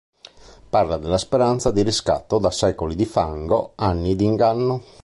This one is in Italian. Parla della speranza di riscatto da "secoli di fango, anni di inganno".